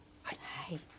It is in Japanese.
はい。